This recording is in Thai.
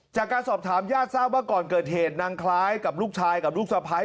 จากการสอบถามญาติทราบว่าก่อนเกิดเหตุนางคล้ายกับลูกชายกับลูกสะพ้าย